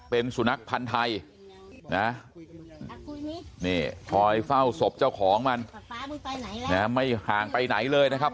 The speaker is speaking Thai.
เป็นสุนัขพันธ์ไทยนะนี่คอยเฝ้าศพเจ้าของมันไม่ห่างไปไหนเลยนะครับ